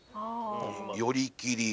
寄り切り